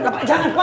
pak jangan pak